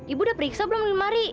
ibu udah periksa belum lemari